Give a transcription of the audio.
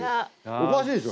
おかしいでしょ。